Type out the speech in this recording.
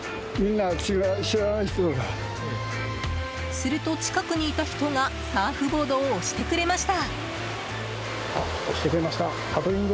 すると、近くにいた人がサーフボードを押してくれました。